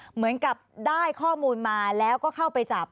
เหมือนกับได้ข้อมูลมาแล้วก็เข้าไปจับ